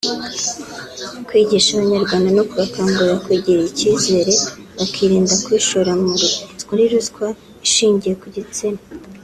kwigisha Abanyarwanda no kubakangurira kwigirira icyizere bakirinda kwishora muri ruswa ishingiye ku gitsina